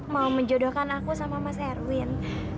mau menjodohkan aku sama mas erwin